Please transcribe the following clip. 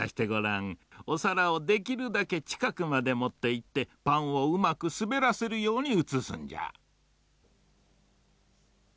おさらをできるだけちかくまでもっていってパンをうまくすべらせるようにうつすんじゃ。